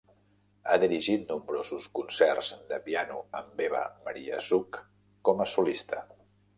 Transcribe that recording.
Ha dirigit nombrosos concerts de piano amb Eva Maria Zuk com a solista.